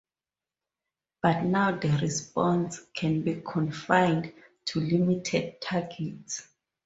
But now the response can be confined to limited targets.